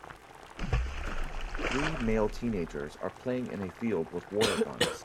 Three male teenagers are playing in a field with water guns.